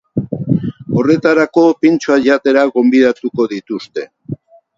Horretarako, pintxoak jatera gonbidatuko dituzte.